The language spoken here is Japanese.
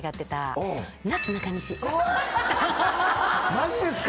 マジですか？